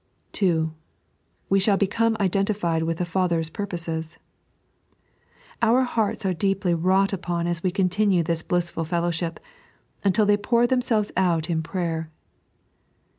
(2) We ahatl become idetUified tinth the Father's Purposes. Our hearts are deeply wrought upon as we continue in this blissful feUowship, until they pour themselves out in prayer.